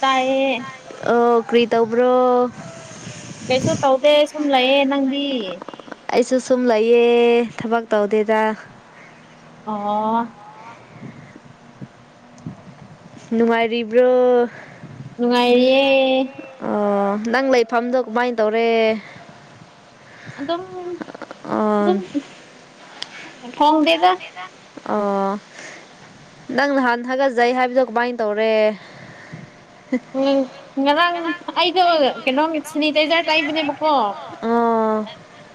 ꯇꯥꯏꯌꯦ ꯑꯣ ꯀ꯭ꯔꯤ ꯇꯧꯕ꯭ꯔꯣ ꯀꯩꯁꯨ ꯇꯧꯗꯦ ꯁꯨꯝ ꯂꯩꯌꯦ ꯅꯪꯗꯤ ꯑꯩꯁꯨ ꯁꯨꯝ ꯂꯩꯌꯦ ꯊꯕꯛ ꯇꯧꯗꯦꯗ ꯑꯣ ꯅꯨꯡꯉꯥꯏꯔꯤꯕ꯭ꯔꯣ ꯅꯨꯡꯉꯥꯏꯔꯤꯌꯦ ꯑꯣ ꯅꯪ ꯂꯩꯐꯝꯗꯣ ꯀꯃꯥꯏꯅ ꯇꯧꯔꯦ ꯑꯗꯨꯝ ꯑꯣ ꯑꯗꯨꯝ ꯈꯪꯗꯦꯗ ꯑꯣ ꯅꯪ ꯅꯍꯥꯟ ꯍꯥꯒꯠꯆꯩ ꯍꯥꯏꯕꯗꯣ ꯀꯃꯥꯏꯅ ꯇꯧꯔꯦ ꯎꯝ ꯉꯔꯥꯡ ꯑꯩꯗꯣ ꯀꯩꯅꯣꯝ ꯁꯦꯅꯤꯇꯥꯏꯖꯔ ꯇꯥꯏꯕꯅꯦ ꯀꯣ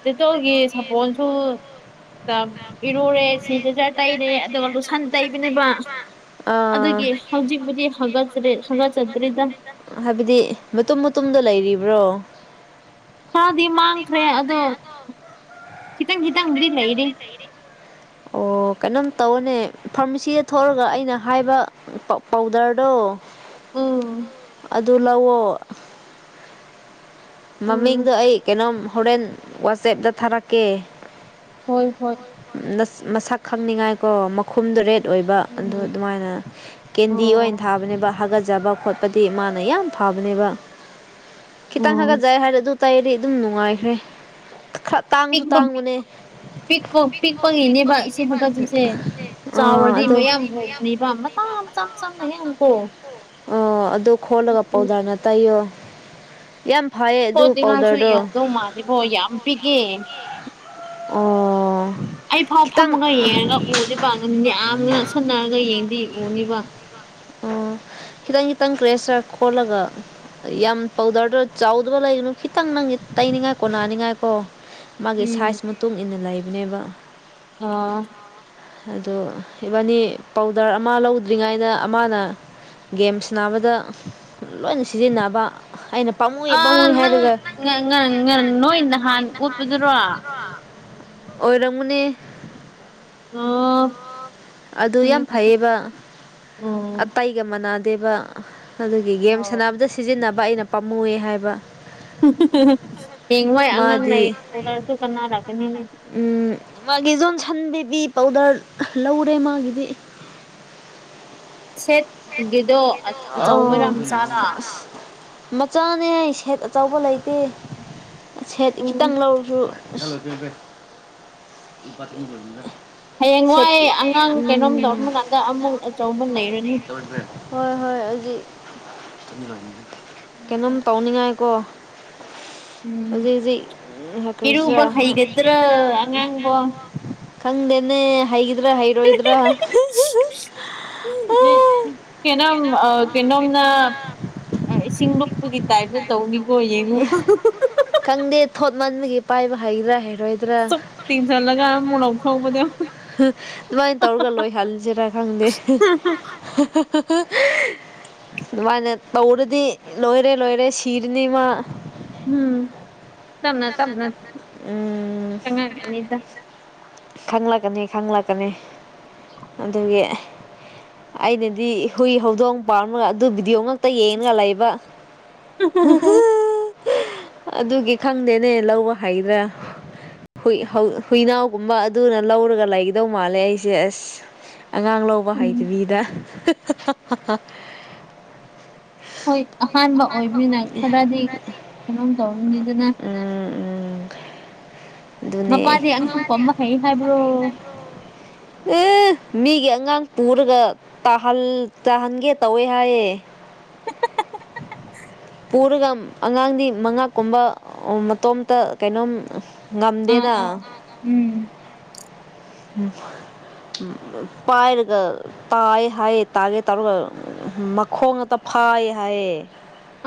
ꯗꯤꯇꯣꯜꯒꯤ ꯁꯥꯄꯣꯟꯁꯨ ꯏꯔꯨꯔꯦ ꯁꯤꯅꯤꯇꯥꯢꯖꯔ ꯇꯩꯔꯦ ꯑꯗꯨꯒ ꯂꯨꯁꯟ ꯇꯩꯕꯅꯦꯕ ꯑꯗꯨꯒꯤ ꯍꯧꯖꯤꯛꯕꯨꯗꯤ ꯍꯒꯠꯆꯠ ꯍꯒꯠꯆꯗ꯭ꯔꯦꯗ ꯍꯥꯏꯕꯗꯤ ꯃꯇꯨꯝ ꯃꯇꯨꯝꯗꯣ ꯂꯩꯔꯤꯕ꯭ꯔꯣ ꯈꯔꯗꯤ ꯃꯥꯡꯈ꯭ꯔꯦ ꯑꯗꯣ ꯈꯤꯇꯪ ꯈꯤꯇꯪꯕꯨꯗꯤ ꯂꯩꯔꯤ ꯑꯣ ꯀꯩꯅꯣꯝ ꯇꯧꯅꯦ ꯐꯥꯔꯃꯥꯁꯤꯗ ꯊꯣꯛꯑꯒ ꯑꯩꯅ ꯍꯥꯏꯕ ꯄꯥꯎꯗꯔꯗꯣ ꯎꯝ ꯑꯗꯨ ꯂꯧꯋꯣ ꯎꯝ ꯃꯃꯤꯡꯗꯣ ꯑꯩ ꯀꯩꯅꯣꯝ ꯍꯣꯔꯦꯟ ꯋꯥꯆꯦꯞꯇ ꯊꯥꯔꯛꯀꯦ ꯍꯣꯏ ꯍꯣꯏ ꯅꯁ ꯃꯁꯛ ꯈꯪꯅꯤꯡꯉꯥꯏ ꯀꯣ ꯃꯛ ꯈꯨꯝꯗ꯭ꯔꯦꯠ ꯑꯣꯏꯕ ꯑꯗꯨꯗꯣ ꯎꯝ ꯑꯗꯨꯃꯥꯏꯅ ꯀꯦꯟꯗꯤ ꯑꯣ ꯑꯣꯏꯅ ꯊꯥꯕꯅꯦꯕ ꯍꯥꯒꯠꯖꯕ ꯈꯣꯠꯄꯗꯤ ꯃꯥꯅ ꯌꯥꯝ ꯐꯕꯅꯦꯕ ꯈꯤꯇꯪ ꯎꯝ ꯍꯥꯒꯠꯖꯩ ꯍꯥꯏꯔ ꯑꯗꯨ ꯇꯩꯗꯤ ꯑꯗꯨꯝ ꯅꯨꯡꯉꯥꯏꯈ꯭ꯔꯦ ꯈꯔ ꯇꯥꯡꯁꯨ ꯄꯤꯛꯄ ꯇꯥꯡꯕꯅꯦ ꯄꯤꯛꯄ ꯄꯤꯛꯄꯒꯤꯅꯦꯕ ꯁꯤ ꯍꯟꯀꯠꯆꯩꯁꯦ ꯑꯥ ꯆꯥꯎꯔꯗꯤ ꯑꯗꯣ ꯃꯌꯥꯝ ꯍꯣꯡꯕꯅꯦꯕ ꯃꯆꯥ ꯆꯥ ꯆꯥ ꯃꯌꯥꯝ ꯀꯣ ꯑꯣ ꯑꯗꯨ ꯈꯣꯠꯂꯒ ꯄꯥꯎꯗꯔꯅ ꯇꯩꯌꯣ ꯌꯥꯝ ꯐꯩꯌꯦ ꯑꯗꯨ ꯄꯥꯎꯗꯔꯗꯣ ꯏꯕꯣ ꯌꯥꯝ ꯄꯤꯑꯦ ꯑꯣ ꯑꯩ ꯐꯥꯎ ꯈꯤꯇꯪ ꯐꯝꯃꯒ ꯌꯦꯡꯉꯒ [unintelligible] ꯁꯅꯥꯔꯒ ꯌꯦꯡꯗꯤ ꯎꯅꯤꯕ ꯑꯣ ꯈꯤꯇꯪ ꯈꯤꯇꯪ ꯀ꯭ꯔꯦꯁ ꯈꯣꯜꯂꯒ ꯌꯥꯝ ꯄꯧꯗꯔꯗ ꯆꯥꯎꯗꯕ ꯂꯩꯒꯅꯨ ꯈꯤꯇꯪ ꯅꯪ ꯇꯩꯅꯤꯡꯉꯥꯏ ꯀꯣꯟꯅꯥꯅꯤꯡꯉꯥꯏꯀꯣ ꯃꯥꯒꯤ ꯎꯝ ꯁꯥꯏꯖ ꯃꯇꯨꯡ ꯏꯟꯅ ꯂꯩꯕꯅꯦꯕ ꯑꯣ ꯑꯗꯣ ꯏꯕꯥꯅꯤ ꯄꯥꯎꯗꯔ ꯑꯃ ꯂꯧꯗ꯭ꯔꯤꯉꯩꯗ ꯃꯥꯅ ꯒꯦꯝ ꯁꯥꯟꯅꯥꯕꯗ ꯂꯣꯏ ꯁꯤꯖꯤꯟꯅꯕ ꯑꯩꯅ ꯄꯥꯃꯨ ꯑ ꯅꯪ [unintelligible] ꯅꯣꯏ ꯅꯍꯥꯟ ꯑꯣꯠꯄꯗꯨꯔꯣ ꯑꯣꯏꯔꯝꯃꯨꯅꯦ ꯑꯣ ꯑꯗꯨ ꯈꯪꯉꯦ ꯌꯥꯝ ꯈꯪꯉꯦ ꯐꯩꯌꯦꯕ ꯎꯝ ꯑꯇꯩꯒ ꯃꯥꯟꯅꯗꯦꯕ ꯑꯗꯨꯒꯤ ꯒꯦꯝ ꯑꯣ ꯁꯥꯟꯅꯕꯗ ꯁꯤꯖꯤꯟꯅꯕ ꯑꯩꯅ ꯄꯥꯝꯃꯨ ꯌꯦ ꯍꯥꯏꯕ ꯌꯦꯡ ꯍꯣꯏ ꯑꯉꯥꯡ ꯂꯩ ꯃꯥꯗꯤ ꯇꯧꯅꯔꯁꯨ ꯀꯅꯥꯔꯛꯀꯅꯤꯅꯦ ꯎꯝ ꯃꯥꯒꯤ ꯖꯣꯟꯁꯟ ꯕꯦꯕꯤ ꯄꯥꯎꯗꯔ ꯂꯧꯔꯦ ꯃꯥꯒꯤꯗꯤ ꯁꯦꯠꯒꯤꯗꯣ ꯑꯆꯧꯕꯔꯥ ꯑꯣ ꯃꯆꯥꯔꯥ ꯃꯆꯥꯅꯦ ꯁꯦꯠ ꯑꯆꯧꯕ ꯂꯩꯇꯦ ꯁꯦꯠ ꯎꯝ ꯈꯤꯇꯪ ꯂꯧꯔꯁꯨ [unintelligible] [unintelligible] ꯍꯌꯦꯡꯋꯥꯏ ꯁꯦꯠꯀꯤ ꯑꯉꯥꯡ ꯀꯩꯅꯣꯝ ꯇꯧꯔꯝ ꯎꯝ ꯀꯥꯟꯗ ꯑꯃꯨꯛ ꯑꯆꯧꯕ ꯂꯩꯔꯅꯤ [unintelligible] ꯍꯣꯏ ꯍꯣꯏ ꯑꯩꯗꯤ ꯀꯩꯅꯣꯝ ꯇꯧꯅꯤꯡꯉꯥꯏꯀꯣ ꯎꯝ ꯍꯧꯖꯤꯛ ꯍꯧꯖꯤꯛ ꯏꯔꯨꯕ ꯀꯔꯤꯁꯤꯔꯥ ꯍꯩꯒꯗ꯭ꯔꯣ ꯑꯉꯥꯡꯕꯣ ꯈꯪꯗꯦꯅꯦ ꯍꯩꯒꯗ꯭ꯔꯥ ꯍꯩꯔꯣꯏꯗ꯭ꯔꯥ [unintelligible] [unintelligible] ꯀꯩꯅꯝ ꯀꯩꯅꯣꯝꯅꯥ ꯏꯁꯤꯡ ꯂꯨꯞꯄꯒꯤ ꯇꯥꯏꯞꯇꯥ ꯇꯧꯅꯤꯀꯣ ꯌꯦꯡꯉꯨ ꯈꯪꯗꯦ ꯊꯣꯠ ꯃꯟꯕꯒꯤ ꯄꯥꯏꯕ ꯍꯩꯗ꯭ꯔꯥ ꯍꯩꯔꯣꯏ ꯆꯞ ꯇꯤꯡꯁꯟꯂꯒꯥ ꯑꯃꯨꯛ ꯂꯧꯊꯣꯛꯄꯗꯨ ꯑꯗꯨꯃꯥꯏꯅ ꯇꯧꯔꯒ ꯂꯣꯏꯍꯟꯁꯤꯔꯥ ꯈꯪꯗꯦ ꯑꯗꯨꯃꯥꯏꯅ ꯇꯧꯔꯗꯤ ꯂꯣꯏꯔꯦ ꯂꯣꯏꯔꯦ ꯁꯤꯔꯅꯤ ꯃꯥ ꯎꯝ ꯇꯞꯅ ꯇꯞꯅ ꯎꯝ ꯆꯪꯉꯛꯑꯅꯤꯗ ꯈꯪꯂꯛꯀꯅꯤ ꯈꯪꯂꯛꯀꯅꯤ ꯑꯗꯨꯒꯤ ꯑꯩꯅꯗꯤ ꯍꯨꯏ ꯍꯧꯗꯣꯡ ꯄꯥꯝꯃꯒ ꯑꯗꯨ ꯕꯤꯗꯤꯌꯣ ꯉꯥꯛ ꯇ ꯌꯦꯡꯂꯒꯥ ꯂꯩꯕ [unintelligible] ꯑꯗꯨꯒꯤ ꯈꯪꯗꯦꯅꯦ ꯂꯧꯕ ꯍꯩꯗ꯭ꯔꯥ ꯍꯨꯏ ꯍꯧ ꯍꯨꯏꯅꯥꯎꯒꯨꯝꯕ ꯑꯗꯨꯅ ꯂꯧꯔꯒ ꯂꯩꯒꯗꯧ ꯃꯥꯜꯂꯦ ꯑꯩꯁꯦ ꯑꯁ ꯑꯉꯥꯡ ꯂꯧ ꯕ ꯎꯝ ꯍꯩꯇꯕꯤꯗ ꯍꯣꯏ ꯑꯍꯥꯟꯕ ꯑꯣꯏꯕꯅꯤꯅ ꯈꯔꯗꯤ ꯀꯩꯅꯣꯝ ꯇꯧꯔꯅꯤꯗꯅ ꯎꯝ ꯎꯝ ꯑꯗꯨꯅꯦ ꯃꯄꯥꯗꯤ ꯑꯉꯥꯡ ꯄꯝꯕ ꯍꯩ ꯍꯥꯏꯕ꯭ꯔꯣ [unintelligible] ꯑꯦ ꯃꯤꯒꯤ ꯑꯉꯥꯡ ꯄꯨꯔꯒ ꯇꯥꯍꯜ ꯇꯥꯍꯟꯒꯦ ꯇꯧꯋꯦ ꯍꯥꯏꯌꯦ [unintelligible] [unintelligible] ꯄꯨꯔꯒ ꯑꯉꯥꯡꯗꯤ ꯃꯉꯛꯀꯨꯝꯕ ꯑ ꯃꯇꯣꯝꯇ ꯀꯩꯅꯣꯝ ꯑꯥ ꯉꯝꯗꯦꯅ ꯑꯥ ꯎꯝ [unintelligible] ꯄꯥꯏꯔꯒ ꯇꯥꯏ ꯍꯥꯏꯌꯦ ꯇꯥꯒꯦ ꯇꯧꯔꯒ ꯃꯈꯣꯡ ꯇꯐꯥꯏ ꯍꯥꯏꯌꯦ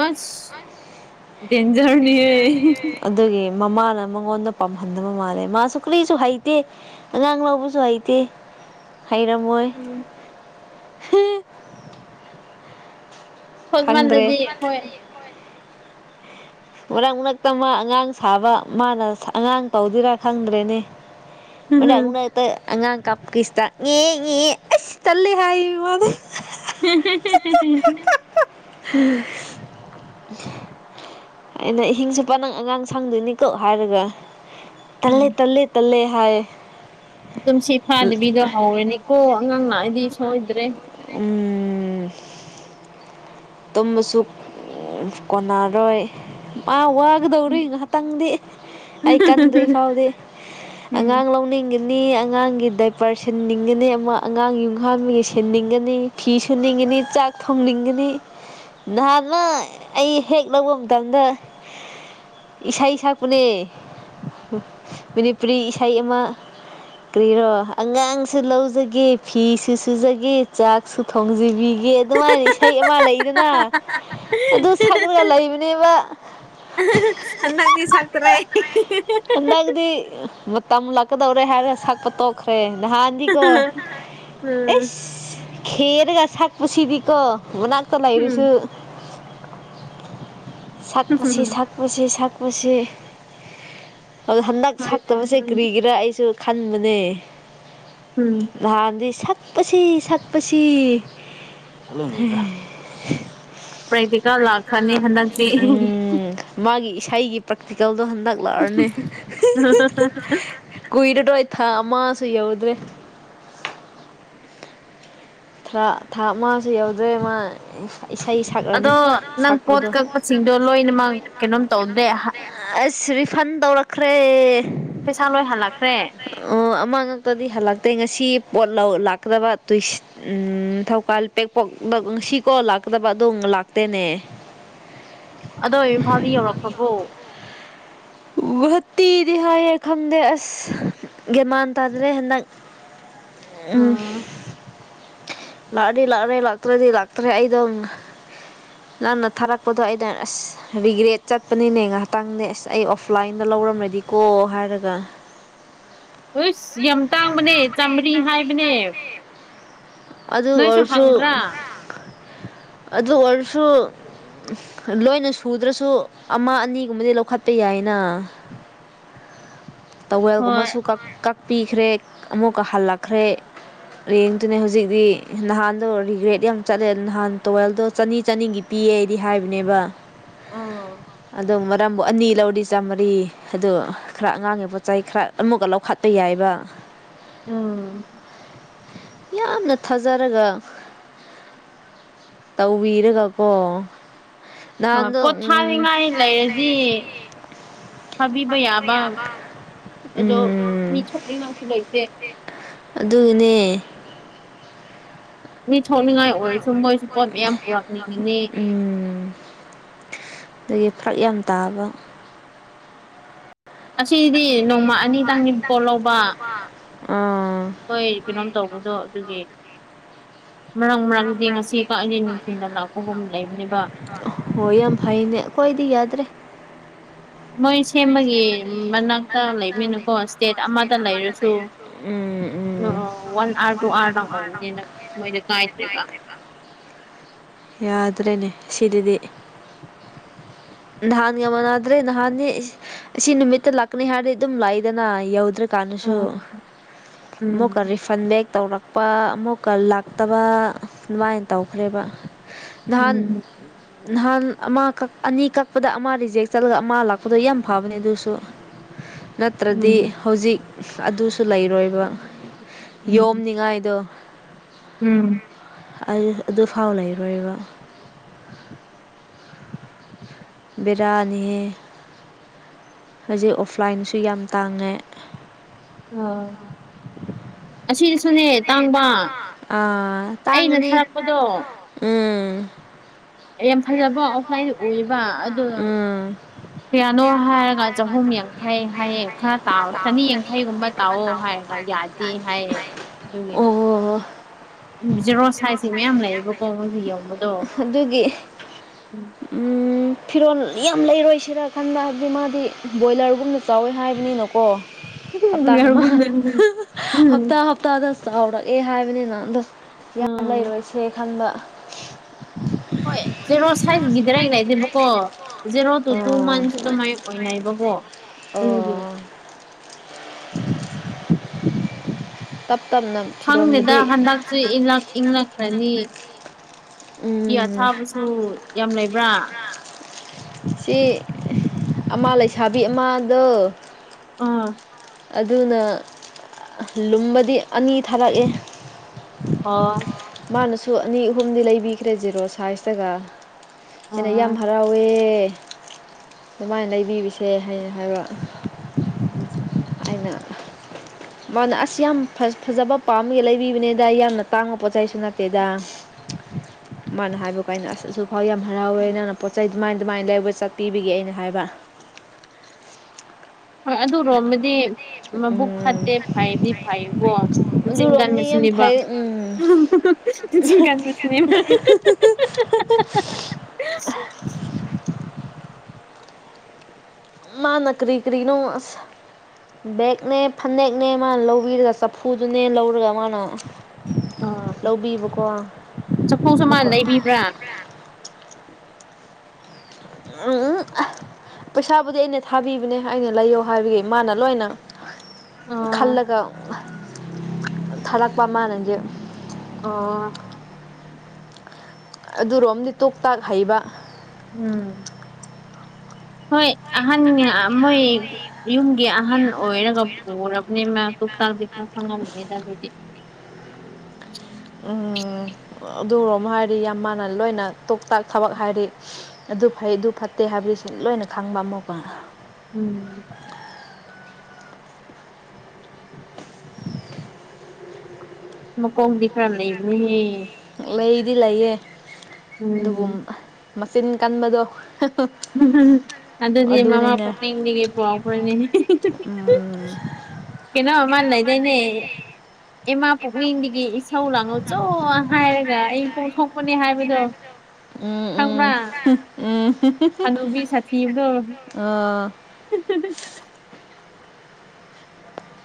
ꯑꯁ ꯗꯦꯟꯖꯔꯅꯤꯍꯦ ꯑꯗꯨꯒꯤ ꯃꯃꯥꯅ ꯃꯉꯣꯟꯗ ꯄꯥꯝꯍꯟꯗꯕ ꯃꯥꯜꯂꯦ ꯃꯥꯁꯨ ꯀꯨꯔꯤꯁꯨ ꯍꯩꯇꯦ ꯑꯉꯥꯡ ꯂꯧꯕꯁꯨ ꯍꯩꯇꯦ ꯍꯩꯔꯝꯃꯣꯏ ꯎꯝ ꯈꯪꯗ꯭ꯔꯦ [unintelligible] ꯍꯣꯏ ꯃꯔꯛ ꯃꯔꯛꯇ ꯃꯥ ꯑꯉꯥꯡ ꯁꯥꯕ ꯃꯥꯅ ꯁꯥ ꯑꯉꯥꯡ ꯇꯧꯗꯣꯏꯔꯥ ꯈꯪꯗ꯭ꯔꯦꯅꯦ ꯃꯔꯛ ꯃꯔꯛ [unintelligible] ꯑꯉꯥꯡ ꯀꯞ [unintelligible] [unintelligible] ꯑꯩꯅ ꯑꯍꯤꯡꯆꯨꯞꯄ ꯅꯪ ꯑꯉꯥꯡ ꯁꯪꯗꯣꯏꯅꯤꯀꯣ ꯍꯥꯏꯔꯒ ꯇꯜꯂꯦ ꯇꯜꯂꯦ ꯇꯜꯂꯦ ꯍꯥꯏꯌꯦ ꯇꯨꯝꯁꯤꯠ ꯐꯥꯗꯕꯤꯗ ꯍꯧꯔꯅꯤꯀꯣ ꯑꯉꯥꯡ ꯂꯥꯛꯑꯗꯤ ꯁꯣꯏꯗ꯭ꯔꯦ ꯎꯝ ꯇꯨꯝꯕꯁꯨ ꯀꯣꯟꯅꯔꯣꯏ ꯑꯥ ꯎꯝ ꯋꯥꯒꯗꯧꯔꯤ ꯉꯍꯥꯛꯇꯪꯗꯤ ꯑꯩ ꯀꯟꯗ꯭ꯔꯤ ꯐꯥꯎꯗꯤ ꯑꯉꯥꯡ ꯂꯧꯅꯤꯡꯗꯦ ꯅꯤ ꯑꯉꯥꯡꯒꯤ ꯗꯥꯏꯄꯔ ꯁꯤꯟꯅꯤꯡꯒꯅꯤ ꯑꯃ ꯑꯉꯥꯡ ꯌꯨꯡꯍꯥꯟꯕꯒꯤ ꯁꯤꯟꯅꯤꯡꯒꯅꯤ ꯐꯤ ꯁꯨꯅꯤꯡꯒꯅꯤ ꯆꯥꯛ ꯊꯣꯡꯅꯤꯡꯒꯅꯤ ꯅꯍꯥꯟꯃꯣꯛ ꯑꯩ ꯍꯦꯛ ꯂꯧꯕ ꯃꯇꯝꯗ ꯏꯁꯩ ꯁꯛꯄꯅꯦ ꯃꯅꯤꯄꯨꯔꯤ ꯏꯁꯩ ꯑꯃ ꯀ꯭ꯔꯤꯔꯣ ꯑꯉꯥꯡꯁꯨ ꯂꯧꯖꯒꯦ ꯐꯤꯁꯨ ꯁꯨꯖꯒꯦ ꯆꯥꯛꯁꯨ ꯊꯣꯡꯖꯕꯤ ꯒꯤ ꯑꯗꯨꯃꯥꯏꯅ ꯏꯁꯩ ꯑꯃ ꯂꯩꯗꯅ ꯑꯗꯨ ꯁꯛꯂꯒ ꯂꯩꯕꯅꯦꯕ ꯍꯟꯗꯛꯇꯤ ꯁꯛꯇ꯭ꯔꯦ [unintelligible] ꯇꯝ ꯂꯛꯀꯗꯧꯔꯦ ꯍꯥꯏꯔ ꯁꯛꯄ ꯇꯣꯛꯈ꯭ꯔꯦ ꯅꯍꯥꯟꯥꯟꯗꯤꯀꯣ ꯎꯝ ꯑꯦꯁ ꯈꯦꯔꯒ ꯁꯛꯄꯁꯤꯗꯤꯀꯣ ꯃꯅꯥꯛꯇ ꯂꯩꯔꯁꯨ ꯁꯛꯄꯁꯤ ꯎꯝ ꯁꯛꯄꯁꯤ ꯁꯛꯄꯁꯤ ꯑꯗꯨꯣ ꯍꯟꯗꯛ ꯍꯣꯏꯅꯦ ꯁꯛꯇꯕꯁꯦ ꯎꯝ ꯀ꯭ꯔꯤꯒꯤꯦꯔꯥ ꯑꯩꯁꯨ ꯈꯟꯕꯅꯦ ꯎꯝ ꯅꯍꯥꯟꯗꯤ ꯁꯛꯄꯁꯤ ꯁꯛꯄꯁꯤ ꯄ꯭ꯔꯦꯛꯇꯤꯀꯦꯜ ꯂꯥꯛꯈ꯭ꯔꯅꯤ ꯍꯟꯗꯛꯇꯤ ꯎꯝ ꯃꯥꯒꯤ ꯏꯁꯩꯒꯤ ꯄ꯭ꯔꯥꯛꯇꯤꯀꯦꯜꯗꯣ ꯍꯟꯗꯛ ꯂꯥꯛꯔꯅꯤ ꯀꯏꯗꯇ꯭ꯔꯣꯏ ꯊꯥ ꯑꯃꯥ ꯁꯨ ꯌꯧꯗꯔꯦ ꯊꯥ ꯑꯃꯁꯨ ꯌꯧꯗ꯭ꯔꯦ ꯃꯥ ꯏꯁꯩ ꯁꯛꯂꯅꯤ ꯑꯗꯣ ꯅꯪ ꯄꯣꯠ ꯀꯛꯄꯁꯤꯡꯗꯣ ꯂꯣꯏꯅꯃꯛ ꯀꯩꯅꯣꯝ ꯇꯧꯗ꯭ꯔꯦ ꯑꯁ ꯔꯤꯐꯟ ꯇꯧꯔꯛꯈ꯭ꯔꯦ ꯂꯣꯏ ꯄꯩꯁꯥ ꯂꯣꯏ꯭ꯟ ꯍꯜꯂꯛꯈ꯭ꯔꯦ ꯍꯂꯛꯈ꯭ꯔꯦ ꯑꯣ ꯑꯃꯥꯡꯉꯛꯇꯗꯤ ꯍꯜꯂꯛꯇꯦ ꯉꯁꯤ ꯄꯣꯠ ꯂꯥꯛꯀꯗꯕ ꯇꯨꯏꯁ ꯎꯝ ꯊꯧꯀꯜ ꯄꯦꯛꯄꯣꯛ ꯉꯁꯤꯀꯣ ꯂꯥꯛꯇꯕ ꯑꯗꯨꯝ ꯂꯥꯛꯇꯦꯅꯦ ꯑꯗꯣ ꯏꯝꯐꯥꯜꯗꯤ ꯌꯧꯔꯛꯄꯕꯣ ꯒꯨꯍꯥꯇꯤꯗꯤ ꯍꯥꯏꯌꯦ ꯈꯪꯗꯦ ꯑꯁ ꯒꯦꯃꯥꯟ ꯇꯥꯗ꯭ꯔꯦ ꯍꯟꯗꯛ ꯎꯝ ꯂꯥꯛꯑꯗꯤ ꯂꯥꯛꯔꯦ ꯂꯥꯛꯇ꯭ꯔꯦꯗꯤ ꯂꯥꯛꯇꯔꯦ ꯑꯩꯗꯣ ꯅꯪꯅ ꯊꯥꯔꯛꯄꯗꯣ ꯑꯩꯅ ꯑꯁ ꯔꯤꯒ꯭ꯔꯦꯠ ꯆꯠꯄꯅꯤꯅꯦ ꯉꯥꯏꯍꯥꯛꯇꯪꯗꯤ ꯑꯁ ꯑꯩ ꯑꯣꯐꯂꯥꯏꯟꯗ ꯂꯧꯔꯝꯂꯗꯤꯀꯣ ꯍꯥꯏꯔꯒ ꯑꯁ ꯌꯥꯝ ꯇꯥꯡꯕꯅꯦ ꯆꯥꯝꯃꯔꯤ ꯍꯥꯏꯕꯅꯦ ꯑꯗꯨ ꯅꯣꯏꯁꯨ ꯑꯣꯏꯔꯁꯨ ꯍꯪꯕ꯭ꯔꯥ ꯑꯗꯨ ꯑꯣꯏꯔꯁꯨ ꯂꯣꯏꯅ ꯁꯨꯗ꯭ꯔꯁꯨ ꯑꯃ ꯑꯅꯤꯒꯨꯝꯕꯗꯤ ꯂꯧꯈꯠꯄ ꯌꯥꯏꯅ [inaudible] ꯍꯣꯏ ꯇꯋꯦꯜꯒꯨꯝꯕꯁꯨ ꯀꯛꯄꯤꯈ꯭ꯔꯦ ꯑꯃꯨꯛꯀ ꯍꯜꯂꯛꯈ꯭ꯔꯦ ꯔꯦꯟꯠ ꯇꯥꯅꯦ ꯍꯧꯖꯤꯛ ꯗꯤ ꯅꯍꯥꯟꯗꯣ ꯔꯤꯒ꯭ꯔꯦꯠ ꯌꯥꯝ ꯆꯠꯂꯦ ꯅꯍꯥꯟ ꯇꯣꯋꯦꯜꯗꯣ ꯆꯅꯤ ꯆꯅꯤꯒꯤ ꯄꯤꯌꯦ ꯑꯩꯗꯤ ꯍꯥꯏꯕꯅꯦꯕ [inaudible] ꯑꯣ ꯑꯣ ꯃꯔꯝꯕꯨ ꯑꯅꯤ ꯂꯧꯔꯤ ꯆꯥꯝꯃꯔꯤ ꯑꯗꯣ ꯈꯔ ꯑꯉꯥꯡꯒꯤ ꯄꯣꯠꯆ ꯆꯩ ꯈꯔ ꯑꯃꯨꯛꯀ ꯂꯧꯈꯥꯠꯄꯥ ꯌꯥꯏꯕ ꯑꯥ ꯌꯥꯝꯅ ꯊꯥꯖꯔꯒ ꯇꯧꯕꯤꯔꯒꯀꯣ ꯍꯣꯏ ꯅꯍꯥꯟꯗꯣ ꯄꯣꯠ ꯎꯝ ꯊꯥꯅꯤꯡꯉꯥꯏ ꯂꯩꯔꯗꯤ ꯐꯥꯕꯤꯕ ꯌꯥꯕ ꯑꯗꯣ ꯃꯤ ꯎꯝ ꯊꯣꯛꯔꯤꯉꯥꯏꯁꯨ ꯂꯩꯇꯦ ꯑꯗꯨꯒꯤꯅꯦ ꯃꯤ ꯊꯣꯛꯅꯤꯡꯉꯥꯏ ꯑꯣꯏꯔꯁꯨ ꯃꯣꯏꯁꯨ ꯄꯣꯠ ꯃꯌꯥꯝ ꯄꯨꯔꯛꯅꯤꯡꯉꯤꯅꯤ [unintelligible] ꯎꯝ ꯑꯗꯒꯤ ꯐꯔꯛ ꯌꯥꯝ ꯇꯥꯕ ꯑꯁꯤꯗꯤ ꯅꯣꯡꯃ ꯑꯅꯤꯇꯪꯅꯤ ꯄꯣꯠ ꯂꯧꯕ ꯑꯥ ꯍꯣꯏ ꯀꯩꯅꯣꯝ ꯇꯧꯕꯗꯣ ꯑꯗꯨꯒꯤ ꯃꯔꯥꯡ ꯃꯔꯪꯗꯤ ꯉꯁꯤ ꯀ ꯑꯅꯤ ꯅꯨꯡꯊꯤꯜꯗ ꯂꯥꯛꯄꯒꯨꯝ ꯂꯩꯕꯅꯦꯕ ꯍꯣꯏ ꯌꯥꯝ ꯐꯩꯅꯦ ꯑꯩꯈꯣꯏꯗꯤ ꯌꯥꯗ꯭ꯔꯦ ꯃꯣꯏ ꯁꯦꯝꯕꯒꯤ ꯃꯅꯥꯛꯇ ꯂꯩꯕꯅꯤꯅꯀꯣ ꯏꯁꯇꯦꯠ ꯑꯃꯗ ꯂꯩꯔꯁꯨ ꯋꯥꯟ ꯑꯥꯔ ꯇꯨ ꯑꯥꯔꯗ ꯑꯣꯏꯕꯅꯤꯅ ꯃꯣꯏꯗ ꯀꯥꯏꯗ꯭ꯔꯦꯕ ꯌꯥꯗ꯭ꯔꯦꯅꯦ ꯁꯤꯔꯤꯗꯤ ꯅꯍꯥꯟꯒꯥ ꯃꯅꯗ꯭ꯔꯦ ꯅꯍꯥꯟꯗꯤ ꯑꯁꯤ ꯅꯨꯃꯤꯠꯇ ꯂꯛꯀꯅꯤ ꯍꯥꯏꯔꯗꯤ ꯑꯗꯨꯝ ꯂꯥꯛꯏꯗꯅꯥ ꯌꯥꯎꯗ꯭ꯔ ꯀꯅꯁꯨ ꯎꯝ ꯑꯃꯨꯛꯀꯥ ꯎꯝ ꯔꯤ ꯐꯟꯕꯦꯛ ꯇꯧꯔꯛꯄ ꯑꯃꯨꯛꯀ ꯂꯥꯛꯇꯕ ꯑꯗꯨꯃꯥꯏꯅ ꯇꯧꯈ꯭ꯔꯦꯕ ꯅꯍꯥꯟ ꯎꯝ ꯅꯍꯥꯟ ꯑꯃ ꯀꯛ ꯑꯅꯤ ꯀꯛꯄꯗ ꯑꯃ ꯔꯤꯖꯦꯛ ꯆꯠꯂꯒ ꯑꯃ ꯂꯥꯛꯄꯗ ꯌꯥꯝ ꯐꯕꯅꯦ ꯑꯗꯨꯁꯨ ꯅꯠꯇ꯭ꯔꯗꯤ ꯎꯝ ꯍꯧꯖꯤꯛ ꯑꯗꯨꯁꯨ ꯂꯩꯔꯣꯏ ꯕ ꯎꯝ ꯌꯣꯝꯅꯤꯉꯥꯏꯗꯣ ꯎꯝ ꯑꯗꯨ ꯑꯗꯨꯐꯥꯎ ꯂꯩꯔꯣꯏꯕ ꯕꯦꯔꯌꯥꯅꯤꯍꯦ ꯍꯧꯖꯤꯛ ꯑꯣꯐꯂꯥꯏꯟꯁꯨ ꯌꯥꯝ ꯇꯥꯡꯉꯦ ꯑ ꯑꯁꯤꯁꯨꯅꯦ ꯇꯥꯡꯕ ꯑꯥ ꯑꯩꯅ ꯇꯥꯡꯒꯅꯤ ꯊꯔꯛꯄꯗꯣ ꯎꯝ ꯌꯥꯝ ꯐꯖꯕ ꯑꯣꯐꯂꯥꯏꯟ ꯑꯣꯏꯌꯦꯕ ꯑꯗꯨ ꯎꯝ ꯀꯌꯥꯅꯣ ꯍꯥꯏꯔꯒ ꯆꯍꯨꯝ ꯌꯥꯡꯈꯩ ꯍꯥꯏꯌꯦ ꯈꯔ ꯇꯥꯎ ꯆꯅꯤ ꯌꯥꯡꯈꯩꯒꯨꯝꯕ ꯇꯥꯎꯑꯣ ꯍꯥꯏꯔꯒ ꯌꯥ ꯗꯦ ꯍꯥꯏꯌꯦ ꯑꯗꯨꯒꯤ ꯑꯣ ꯎꯝ ꯖꯦꯔꯣ ꯁꯥꯏꯖꯁꯤ ꯃꯌꯥꯝ ꯂꯩꯌꯦꯕꯀꯣ ꯃꯣꯏꯁꯨ ꯌꯧꯕꯗꯣ ꯑꯗꯨꯒꯤ ꯎꯝ ꯎꯝ ꯐꯤꯔꯣꯜ ꯌꯥꯝ ꯂꯩꯔꯣꯏꯁꯤꯔꯥ ꯈꯟꯕ ꯍꯥꯏꯕꯗꯤ ꯃꯥꯗꯤ ꯕꯣꯏꯂꯔꯒꯨꯝꯅ ꯆꯥꯎꯌꯦ ꯍꯥꯏꯕꯅꯤꯅꯀꯣ ꯍꯥꯞꯇꯥ ꯑꯃꯥ ꯌꯥꯔꯕꯨꯡꯗꯅꯦ ꯍꯞꯇꯥ ꯇꯗ ꯆꯥꯎꯔꯛꯑꯦ ꯍꯥꯏꯕꯅꯤꯅ ꯑꯗꯣ ꯌꯥꯝ ꯎꯝ ꯂꯩꯔꯣꯏꯁꯦ ꯈꯟꯕ ꯍꯣꯏ ꯖꯦꯔꯣ ꯁꯥꯏꯖꯀꯤ ꯗꯥꯏꯔꯦꯛ ꯂꯩꯁꯦꯕꯀꯣ ꯖꯦꯔꯣ ꯇꯨ ꯇꯨ ꯑꯥ ꯃꯟꯁ ꯑꯗꯨꯃꯥꯏ ꯑꯣꯏꯅꯩꯕꯀꯣ ꯎꯝ ꯑꯣ ꯇꯞ ꯇꯞꯅ ꯈꯪꯗꯦꯗ ꯐꯤꯔꯣꯟꯕꯨꯗꯤ ꯍꯟꯗꯛꯁꯦ ꯏꯪꯂꯛ ꯏꯪꯂꯛꯈ꯭ꯔꯅꯤ ꯎꯝ ꯐꯤ ꯑꯊꯥꯕꯁꯨ ꯌꯥꯝ ꯂꯩꯕ꯭ꯔꯥ ꯁꯤ ꯑꯃꯥ ꯂꯩꯁꯥꯕꯤ ꯑꯃꯗꯣ ꯑꯥ ꯑꯗꯨꯅ ꯑ ꯂꯨꯝꯕꯗꯤ ꯑꯅꯤ ꯊꯥꯔꯛꯑꯦ ꯑꯣ ꯃꯥꯅꯁꯨ ꯑꯅꯤ ꯑꯍꯨꯝꯗꯤ ꯂꯩꯕꯤꯈ꯭ꯔꯦ ꯖꯦꯔꯣ ꯁꯥꯏꯖꯇꯒ ꯑꯩꯅ ꯌꯥꯝ ꯑꯥ ꯍꯔꯥꯎꯌꯦ ꯑꯗꯨꯃꯥꯏꯅ ꯂꯩꯕꯤꯔꯤꯁꯦ ꯍꯥꯏꯅ ꯍꯥꯏꯕ ꯎꯝ ꯑꯩꯅ ꯃꯥꯅ ꯑꯁ ꯌꯥꯝ ꯐ ꯐꯖꯕ ꯄꯥꯝꯃꯥꯦ ꯂꯩꯕꯤꯕꯅꯦꯗ ꯌꯥꯝꯅ ꯇꯥꯡ ꯄꯣꯠ ꯆꯩꯁꯨ ꯅꯠꯇꯦꯗ ꯃꯥꯅ ꯍꯥꯏꯕ ꯀꯥꯏꯅ ꯑꯁ ꯑꯁꯨ ꯐꯥꯎ ꯌꯥꯝ ꯍꯔꯥꯎꯋꯦ ꯅꯪ ꯄꯣꯠ ꯆꯩ ꯑꯗꯨꯃꯥꯏ ꯑꯗꯨꯃꯥꯏꯅ ꯂꯩꯕ ꯆꯠꯄꯤꯕꯤꯒꯦ ꯑꯩꯅ ꯍꯥꯏꯕ ꯍꯣꯏ ꯑꯗꯨ ꯔꯣꯝꯃꯗꯤ ꯃꯕꯨꯛ ꯎꯝ ꯐꯠꯇꯦ ꯐꯩꯗꯤ ꯐꯩꯌꯦꯀꯣ ꯃꯆꯤꯟ ꯑꯗꯨꯔꯣꯝꯗꯤ ꯌꯥꯝ ꯀꯟꯕꯁꯤꯅꯦꯕ ꯐꯩ ꯎꯝ ꯆꯤꯟ ꯀꯟꯕꯁꯤꯅꯦ [unintelligible] [inaudible] ꯃꯥꯅ ꯀꯔꯤ ꯀꯔꯤꯅꯣ ꯑꯁ ꯕꯦꯛꯅꯦ ꯐꯅꯦꯛꯅꯦ ꯃꯥꯅ ꯂꯧꯕꯤꯔꯒ ꯆꯐꯨꯗꯨꯅꯦ ꯂꯧꯔꯒ ꯃꯥꯅ ꯑꯥ ꯂꯧꯕꯤꯕꯀꯣ ꯑꯃꯨꯛꯀ ꯏꯕ꯭ꯔꯥ ꯎꯝ ꯎꯝ ꯄꯩꯁꯥꯕꯨꯗꯤ ꯑꯩꯅ ꯊꯥꯕꯤꯕꯅꯦ ꯑꯩꯅ ꯂꯩꯌꯣ ꯍꯥꯏꯕꯒꯤ ꯃꯥꯅ ꯂꯣꯏꯅ ꯑꯣ ꯈꯜꯂꯒ ꯊꯥꯔꯛꯄ ꯃꯅꯗꯤ ꯑꯣ ꯑꯗꯨꯔꯣꯝꯗꯤ ꯇꯣꯛ ꯇꯥꯛ ꯍꯩꯕ ꯎꯝ ꯍꯣꯏ ꯑꯍꯥꯟꯅꯌꯥ ꯑ ꯃꯣꯏ ꯌꯨꯝꯒꯤ ꯑꯍꯟ ꯑꯣꯏꯔꯒ ꯄꯨꯔꯕꯅꯤ ꯃꯥ ꯇꯣꯛꯇꯥꯛꯇꯤ ꯈꯔ ꯈꯪꯉꯝꯒꯅꯤꯗ ꯑꯗꯨꯗꯤ ꯎꯝ ꯑꯗꯨꯔꯣꯝ ꯍꯥꯏꯔꯤ ꯌꯥꯝ ꯃꯥꯅ ꯂꯣꯏꯅ ꯇꯣꯛꯇꯥꯛ ꯊꯕꯛ ꯍꯥꯏꯔꯤ ꯑꯗꯨ ꯐꯩ ꯑꯗꯨ ꯐꯠꯇꯦ ꯍꯥꯏꯕꯗꯤꯁꯦ ꯂꯣꯏꯅ ꯈꯪꯕ ꯑꯃꯨꯛꯀ ꯎꯝ ꯃꯥꯀꯣꯡꯗꯤ ꯈꯔ ꯂꯩꯕꯅꯤꯅꯦ ꯂꯩꯗꯤ ꯂꯩꯌꯦ ꯑꯗꯨꯕꯨ ꯎꯝ ꯃꯆꯤꯟ ꯀꯟꯕꯗꯣ ꯑꯗꯨꯗꯤ ꯃꯃꯥ ꯑꯗꯨꯅꯤꯅꯦ ꯄꯣꯛꯅꯤꯡꯗꯒꯤ ꯄꯣꯔꯛꯄꯩꯅꯦꯍꯦ ꯎꯝ ꯀꯩꯅꯣ ꯑꯃꯥ ꯂꯩꯗꯥꯏꯅꯦ ꯏꯃꯥ ꯄꯨꯛꯅꯤꯡꯗꯒꯤ ꯏꯁꯧ ꯂꯥꯡꯉꯧ ꯆꯣ ꯍꯥꯏꯔꯒ ꯑꯩ ꯄꯣꯛꯊꯣꯛꯄꯅꯦ ꯍꯥꯏꯕꯗꯣ ꯎꯝ ꯈꯪꯕ꯭ꯔꯥ ꯎꯝ ꯎꯝ ꯍꯅꯨꯕꯤ ꯁꯊꯤꯕꯗꯣ ꯑꯥ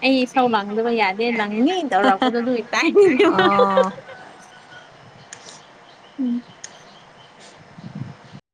ꯑꯩ ꯏꯁꯧ ꯂꯥꯡꯗꯕ ꯌꯥꯗꯦ ꯂꯪꯅꯤ ꯇꯧꯔꯛꯄꯗꯣ ꯑꯗꯨꯒꯤ ꯇꯥꯏꯞꯅꯤ ꯇꯥꯏꯞꯇ ꯎꯝ